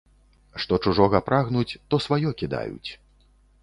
Што чужога прагнуць, то сваё кідаюць.